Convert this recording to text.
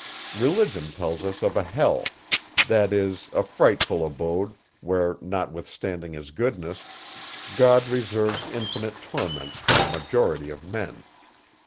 Religion tells us of a hell; that is, a frightful abode, where, notwithstanding his goodness, God reserves infinite torments for the majority of men.